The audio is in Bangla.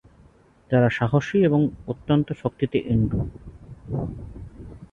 তারা সাহসী এবং অত্যন্ত শক্তিতে এন্ডু।